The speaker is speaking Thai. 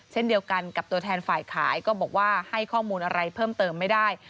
เช่นเดียวกันกับตัวแทนฝ่ายขายก็บอกว่าให้ข้อมูลอะไรเพิ่มเติมไม่ได้